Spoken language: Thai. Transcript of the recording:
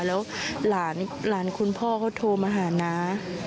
แล้วหลานคุณพ่อเขาโทรมาหาน้า